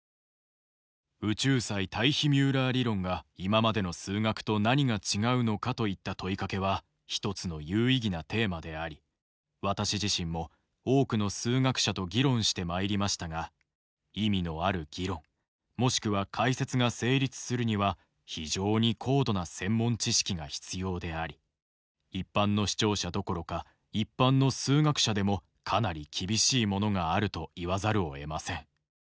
「『宇宙際タイヒミューラー理論』が今までの数学と何が違うのか？といった問い掛けは一つの有意義なテーマであり私自身も多くの数学者と議論してまいりましたが意味のある議論もしくは解説が成立するには非常に高度な専門知識が必要であり一般の視聴者どころか一般の数学者でもかなり厳しいものがあると言わざるを得ません。